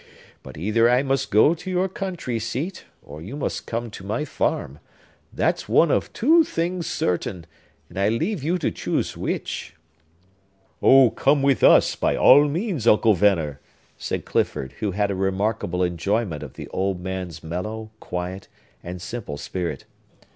But either I must go to your country seat, or you must come to my farm,—that's one of two things certain; and I leave you to choose which!" "Oh, come with us, by all means, Uncle Venner!" said Clifford, who had a remarkable enjoyment of the old man's mellow, quiet, and simple spirit.